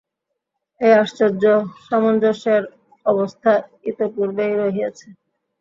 এই আশ্চর্য সামঞ্জস্যের অবস্থা ইতঃপূর্বেই রহিয়াছে।